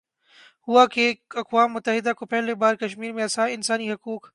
ہوا کہ اقوام متحدہ کو پہلی بار کشمیرمیں انسانی حقوق